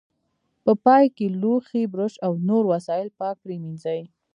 په پای کې لوښي، برش او نور وسایل پاک پرېمنځئ.